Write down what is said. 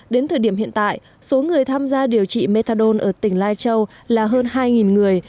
đến thời điểm hiện tại số người tham gia điều trị methadone ở tỉnh lai châu là hơn hai người